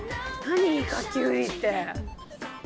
イカきゅうりって。